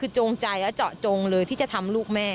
คือจงใจและเจาะจงเลยที่จะทำลูกแม่